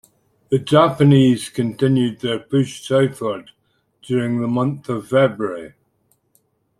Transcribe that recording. The Japanese continued their push southward during the month of February.